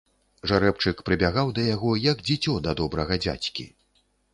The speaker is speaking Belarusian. Жарэбчык прыбягаў да яго, як дзіцё да добрага дзядзькі.